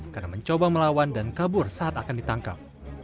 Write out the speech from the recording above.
karena mencoba melawan dan kabur saat akan ditangkap